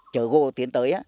chở gỗ tiến tới